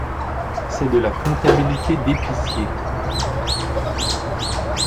C’est de la comptabilité d’épicier